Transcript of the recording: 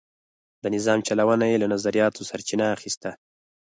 د نظام چلونه یې له نظریاتو سرچینه اخیسته.